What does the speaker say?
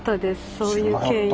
そういう経緯で。